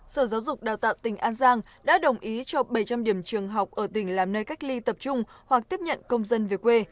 sở giáo dục đào tạo tỉnh an giang đã đồng ý cho bảy trăm linh điểm trường học ở tỉnh làm nơi cách ly tập trung hoặc tiếp nhận công dân về quê